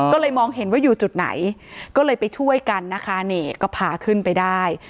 ก็เลยมองเห็นว่าอยู่จุดไหนก็เลยไปช่วยกันนะคะนี่ก็พาขึ้นไปได้